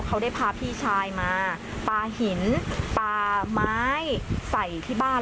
เขาได้พาพี่ชายมาปลาหินปลาไม้ใส่ที่บ้าน